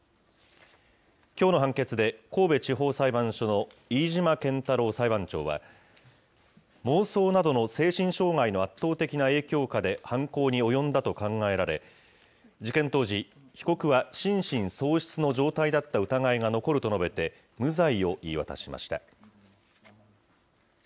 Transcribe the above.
きょうの判決で、神戸地方裁判所の飯島健太郎裁判長は、妄想などの精神障害の圧倒的な影響下で犯行に及んだと考えられ、事件当時、被告は心神喪失の状態だった疑いが残ると述べて、無罪を言い渡しました。